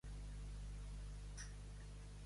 A Llo, bruixots.